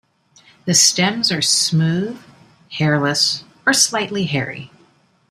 The stems are smooth, hairless or slightly hairy.